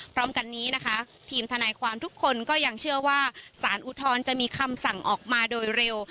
พร้อมกันนี้นะคะทีมทนายความทุกคนก็ยังเชื่อว่าสารอุทธรณ์จะมีคำสั่งออกมาโดยเร็ว